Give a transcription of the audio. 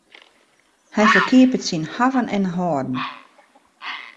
Hy ferkeapet syn hawwen en hâlden.